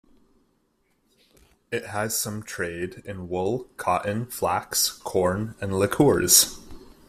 It has some trade in wool, cotton, flax, corn and liqueurs.